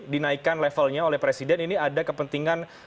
dinaikkan levelnya oleh presiden ini ada kepentingan